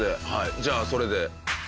じゃあそれで。